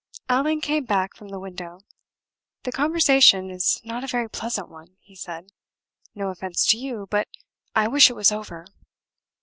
Allan came back from the window. "The conversation is not a very pleasant one," he said. "No offense to you, but I wish it was over."